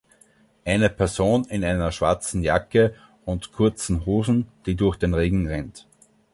Eine Person in einer schwarzen Jacke und kurzen Hosen, die durch den Regen rennt.